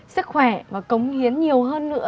sức khỏe và cống hiến nhiều hơn nữa